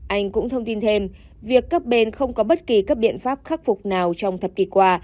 anh cũng thông tin thêm việc các bên không có bất kỳ các biện pháp khắc phục nào trong thập kỷ qua